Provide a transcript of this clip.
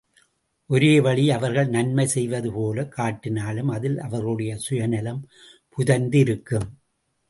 ஒரோ வழி அவர்கள் நன்மை செய்வது போலக் காட்டினாலும் அதில் அவர்களுடைய சுயநலம் புதைந்து இருக்கும்.